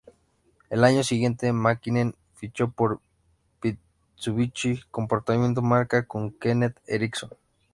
Al año siguiente, Mäkinen fichó por Mitsubishi, compartiendo marca con Kenneth Eriksson.